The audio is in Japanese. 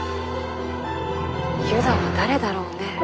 ユダは誰だろうね。